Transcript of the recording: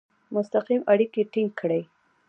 مستقیم اړیکي ټینګ کړي.